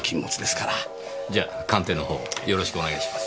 じゃあ鑑定の方よろしくお願いします。